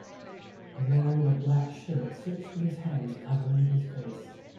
A man in a black shirt sits with his hands covering his face.